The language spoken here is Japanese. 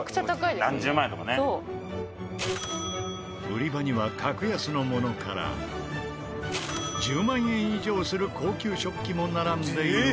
売り場には格安のものから１０万円以上する高級食器も並んでいるが。